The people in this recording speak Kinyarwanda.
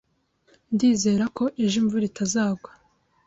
Ndizera ko ejo imvura itazagwa.